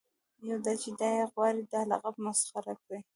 یو دا چې دای غواړي دا لقب مسخره کړي.